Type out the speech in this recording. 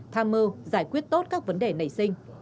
tham mưu giải quyết tốt các vấn đề nảy sinh